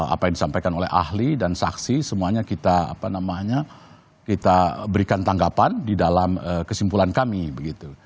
apa yang disampaikan oleh ahli dan saksi semuanya kita berikan tanggapan di dalam kesimpulan kami begitu